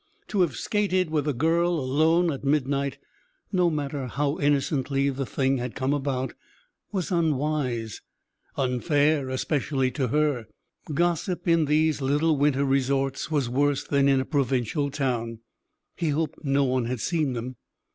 To have skated with a girl alone at midnight, no matter how innocently the thing had come about, was unwise unfair, especially to her. Gossip in these little winter resorts was worse than in a provincial town. He hoped no one had seen them.